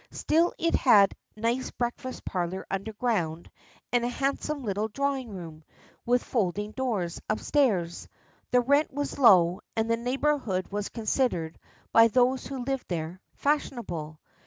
Still it had a nice breakfast parlour underground, and a handsome little drawing room, with folding doors, upstairs. The rent was low, and the neighbourhood was considered, by those who lived there, fashionable.